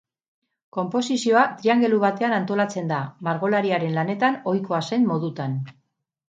Konposizioa triangelu batean antolatzen da, margolariaren lanetan ohikoa zen modutan.